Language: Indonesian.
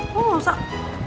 kok gak usah